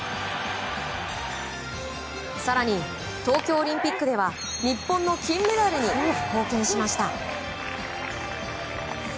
更に、東京オリンピックでは日本の金メダルに貢献しました。